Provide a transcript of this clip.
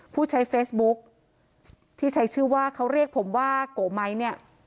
ผู้ใช้เฟซบุ๊กที่ใช้ชื่อว่าเขาเรียกผมว่าโกไมค์เนี่ย